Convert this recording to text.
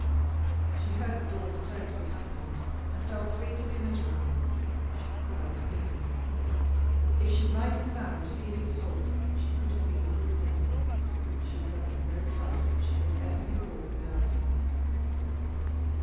She heard the doors close behind him, and felt free to be miserable. She cried bitterly. If she might have married Felix Holt, she could have been a good woman. She felt no trust that she could ever be good without him.